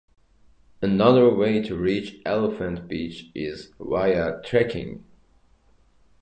Another way to reach Elephant beach is via trekking.